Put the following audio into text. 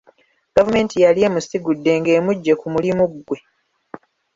Gavumenti yali emusigudde ng'emujje ku mulimu ggwe.